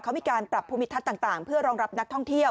เขามีการปรับภูมิทัศน์ต่างเพื่อรองรับนักท่องเที่ยว